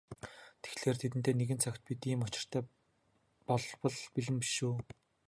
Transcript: Тэгэхлээр тэдэнтэй нэгэн цагт бид ийм юмтай учрах болбол бэлэн биш үү?